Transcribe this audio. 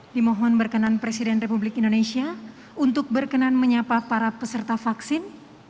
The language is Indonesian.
dimohon berkenan presiden republik indonesia untuk berkenan menyapa para peserta vaksin